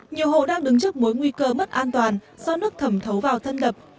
nhiều hộ đang đứng trước mối nguy cơ mất an toàn do nước thẩm thấu vào thân đập